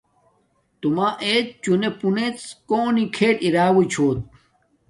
توما ایت چونے پونڎ کونی کھیل ارا او چھوت